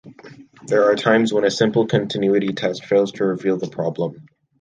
There are times when a simple continuity test fails to reveal the problem.